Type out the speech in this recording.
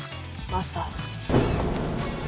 マサ。